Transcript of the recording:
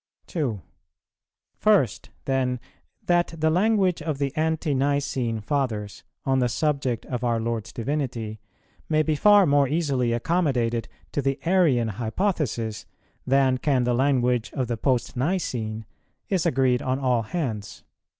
2. First then, that the language of the Ante nicene Fathers, on the subject of our Lord's Divinity, may be far more easily accommodated to the Arian hypothesis than can the language of the Post nicene, is agreed on all hands.